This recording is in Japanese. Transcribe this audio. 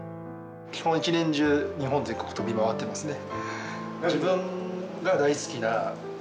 基本１年中日本全国飛び回っていますね。